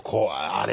あれ。